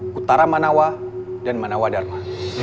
kutara manawah dan manawah dharma